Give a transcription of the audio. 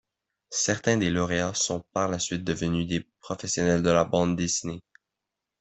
Certains des lauréats sont par la suite devenus des professionnels de la bande dessinée.